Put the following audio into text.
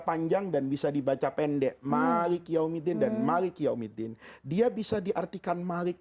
panjang dan bisa dibaca pendek malik yaumiddin dan malik yaumiddin dia bisa diartikan malik